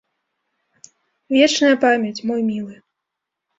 Вечная памяць, мой мілы!